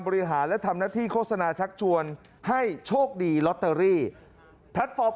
บริหารและทำหน้าที่โฆษณาชักชวนให้โชคดีลอตเตอรี่แพลตฟอร์ม